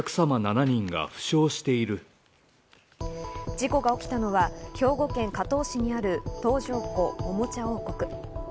事故が起きたのは兵庫県加東市にある東条湖おもちゃ王国。